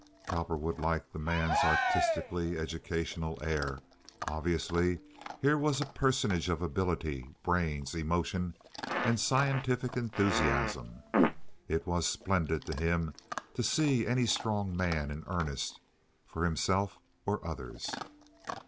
Cowperwood liked the man's artistically educational air; obviously here was a personage of ability, brains, emotion, and scientific enthusiasm. It was splendid to him to see any strong man in earnest, for himself or others.